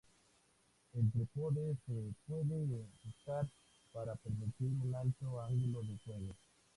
El trípode se puede ajustar para permitir un alto ángulo de fuego.